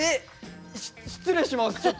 失礼します